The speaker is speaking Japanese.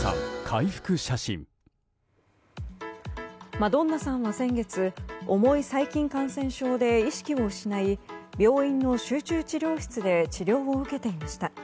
マドンナさんは先月重い細菌感染症で意識を失い病院の集中治療室で治療を受けていました。